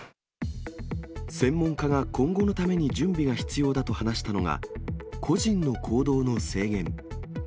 専門家が今後のために準備が必要だと話したのが、個人の行動の制限。